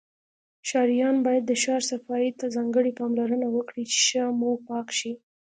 ښاریان باید د شار صفایی ته ځانګړی پاملرنه وکړی چی ښه موپاک شی